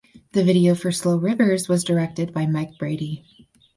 The video for "Slow Rivers" was directed by Mike Brady.